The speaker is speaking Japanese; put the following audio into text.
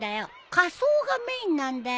仮装がメインなんだよ。